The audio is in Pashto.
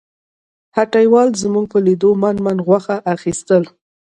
هټیوال زموږ په لیدو من من غوښه اخیستل.